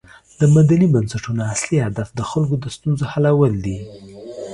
د مدني بنسټونو اصلی هدف د خلکو د ستونزو حلول دي.